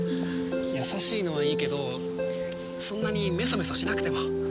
優しいのはいいけどそんなにメソメソしなくても。